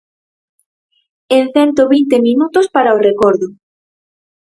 En cento vinte minutos para o recordo.